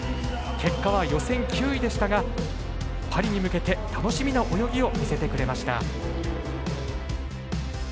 結果は予選９位でしたがパリに向けて楽しみな泳ぎを見せてくれました。